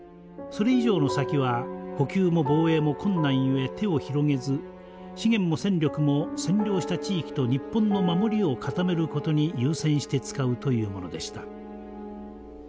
それ以上の先は補給も防衛も困難ゆえ手を広げず資源も戦力も占領した地域と日本の守りを固める事に優先して使うというものでした。